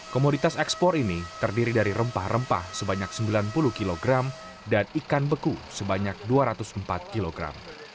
komoditas ekspor ini terdiri dari rempah rempah sebanyak sembilan puluh kg dan ikan beku sebanyak dua ratus empat kilogram